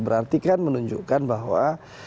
berarti kan menunjukkan bahwa